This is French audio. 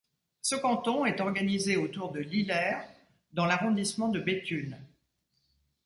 Ce canton est organisé autour de Lillers dans l'arrondissement de Béthune.